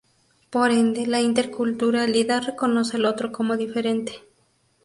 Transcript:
Por ende, la interculturalidad reconoce al otro como diferente.